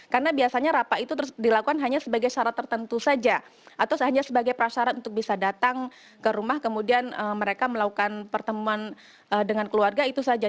karena biasanya rapak itu dilakukan hanya sebagai syarat tertentu saja atau hanya sebagai persyarat untuk bisa datang ke rumah kemudian mereka melakukan pertemuan dengan keluarga itu saja